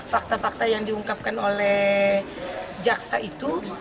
fakta fakta yang diungkapkan oleh jaksa itu